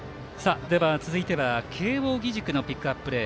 続いては慶応義塾のピックアッププレー